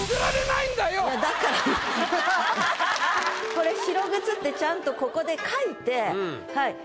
これ「白靴」ってちゃんとここで書いてはい。